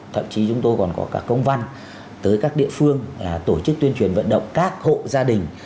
thậm chí chúng tôi còn có cả công văn tới các địa phương là tổ chức tuyên truyền vận động các hộ gia đình